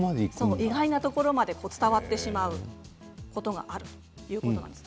意外なところまで伝わってしまうことがあるということです。